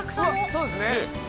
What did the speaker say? そうですね